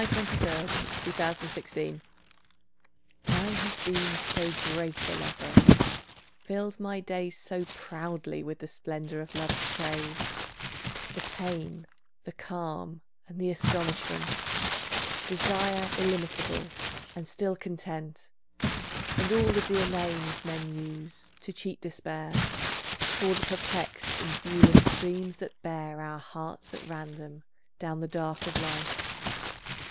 MATAIEA, January 1914 THE GREAT LOVER I have been so great a lover: filled my days So proudly with the splendour of Love's praise, The pain, the calm, and the astonishment, Desire illimitable, and still content, And all dear names men use, to cheat despair, For the perplexed and viewless streams that bear Our hearts at random down the dark of life.